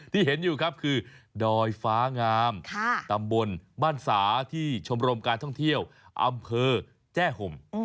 ที่เห็นอยู่ครับคือดอยฟ้างามตำบลบ้านสาที่ชมรมการท่องเที่ยวอำเภอแจ้ห่ม